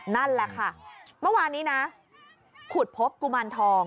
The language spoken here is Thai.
นั่นแหละค่ะเมื่อวานนี้นะขุดพบกุมารทอง